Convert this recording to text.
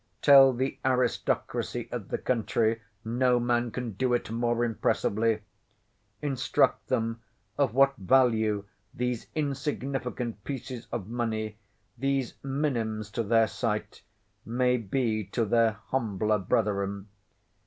Tell the Aristocracy of the country (no man can do it more impressively); instruct them of what value these insignificant pieces of money, these minims to their sight, may be to their humbler brethren.